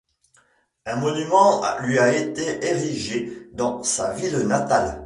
Un monument lui a été érigé dans sa ville natale.